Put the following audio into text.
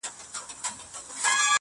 د پښتو د زلفو لا خورون پکار دی